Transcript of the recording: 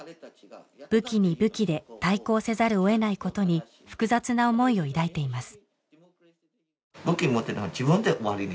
武器に武器で対抗せざるを得ないことに複雑な思いを抱いています